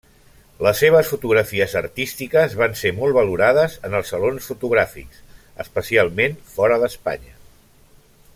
Les seves fotografies artístiques van ser molt valorades en els salons fotogràfics, especialment fora d'Espanya.